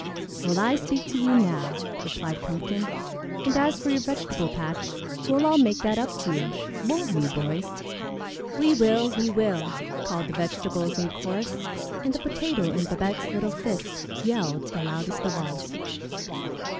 "Well, I speak to you now," replied Pumpkin, "and as for your vegetable patch, we'll all make that up to you, won't we, boys?" "We will! We will!" called the vegetables in chorus, and the Potato in Babette's little fist yelled the loudest of all.